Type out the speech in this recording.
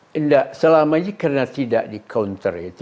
tidak selama ini karena tidak di counter itu